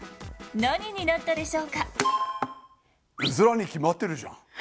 何になったでしょうか？